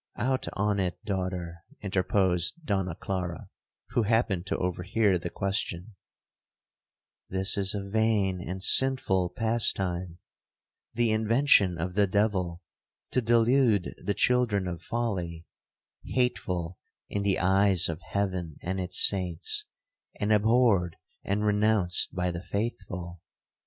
'—'Out on it, daughter!' interposed Donna Clara, who happened to overhear the question; 'This is a vain and sinful pastime,—the invention of the devil to delude the children of folly,—hateful in the eyes of heaven and its saints,—and abhorred and renounced by the faithful.'